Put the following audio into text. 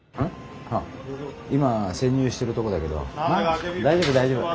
あっ今潜入してるとこだけど大丈夫大丈夫。